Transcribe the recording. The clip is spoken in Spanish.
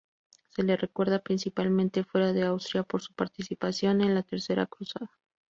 Se le recuerda principalmente fuera de Austria por su participación en la Tercera Cruzada.